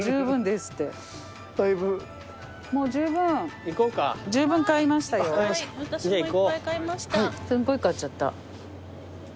すごい買っちゃった。